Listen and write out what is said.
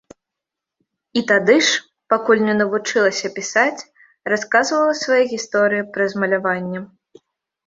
І тады ж, пакуль не навучылася пісаць, расказвала свае гісторыі праз маляванне.